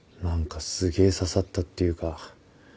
何かすげぇ刺さったっていうか